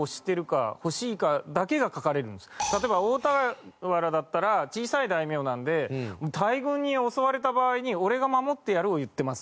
例えば大田原だったら小さい大名なんで「大軍に襲われた場合に俺が守ってやる」を言ってます。